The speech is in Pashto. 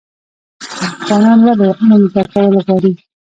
افغانان ولې علم زده کول غواړي؟